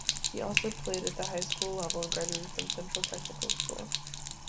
He also played at the high school level and graduated from Central Technical School.